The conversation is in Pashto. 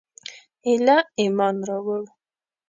ایله ایمان راووړ.